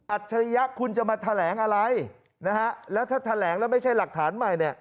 ฉริยะคุณจะมาแถลงอะไรนะฮะแล้วถ้าแถลงแล้วไม่ใช่หลักฐานใหม่เนี่ย